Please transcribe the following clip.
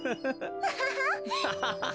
ハハハハ。